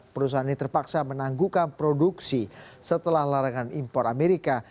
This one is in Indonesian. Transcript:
perusahaan ini terpaksa menangguhkan produksi setelah larangan impor amerika